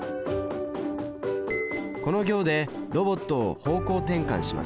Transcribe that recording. この行でロボットを方向転換します。